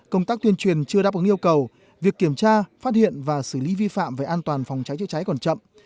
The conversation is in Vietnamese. công tác tuyên truyền chưa đáp ứng yêu cầu việc kiểm tra phát hiện và xử lý vi phạm về an toàn phòng cháy chữa cháy còn chậm